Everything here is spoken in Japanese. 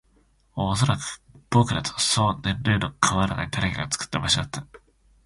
おそらく、僕らとそう年齢の変わらない誰かが作った場所だった